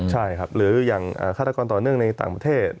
ใช่ครับหรืออย่างฆาตกรต่อเนื่องในต่างประเทศ